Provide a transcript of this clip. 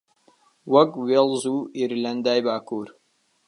وەک وێڵز و ئێرلەندای باکوور